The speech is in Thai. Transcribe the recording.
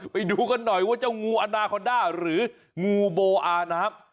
ไปดูกันหน่อยว่าเจ้างูอนาคอนด้าหรืองูโบอาน้ำ